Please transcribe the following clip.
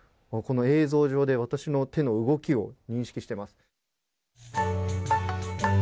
この映像上で、私の手の動きを認識しています。